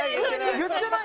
言ってない？